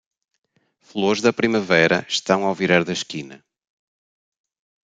Flores da primavera estão ao virar da esquina